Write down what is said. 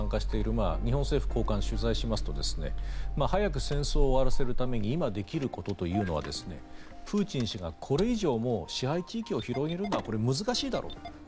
Ｇ７のプロセスにも参加している日本政府高官を取材しますと早く戦争を終わらせるために今、できることというのはプーチン氏がこれ以上支配地域を広げるのは難しいだろう。